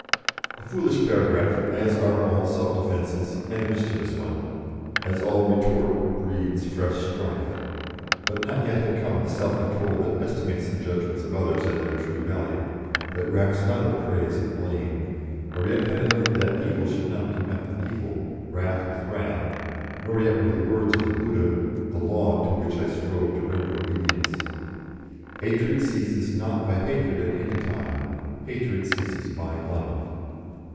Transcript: A foolish paragraph, as are all self defences, and a mischievous one, as all retort breeds fresh strife. But not yet had come the self control that estimates the judgments of others at their true value, that recks not of praise and blame; not yet had I learned that evil should not be met with evil, wrath with wrath; not yet were the words of the Buddha the law to which I strove to render obedience: "Hatred ceases not by hatred at any time; hatred ceases by love."